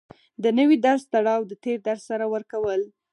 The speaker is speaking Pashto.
د نوي درس تړاو د تېر درس سره ورکول